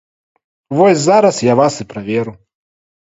Вось зараз я вас і праверу.